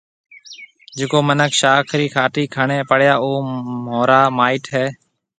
جڪو مِنک شاخ رِي کهاٽِي کڻيَ پڙيا او مهورا مائيٽ هيَ۔